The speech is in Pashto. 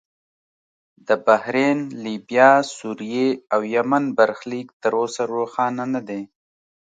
د بحرین، لیبیا، سوریې او یمن برخلیک تر اوسه روښانه نه دی.